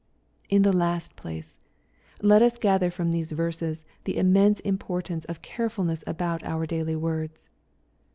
In the last place, let us gather from these verses the immense importance of car efvlness about our daily words.